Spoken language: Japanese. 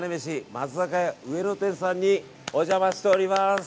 松坂屋上野店さんにお邪魔しております！